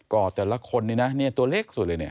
อดแต่ละคนนี้นะเนี่ยตัวเล็กสุดเลยเนี่ย